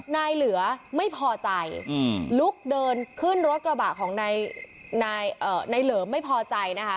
เหลือไม่พอใจลุกเดินขึ้นรถกระบะของนายเหลิมไม่พอใจนะคะ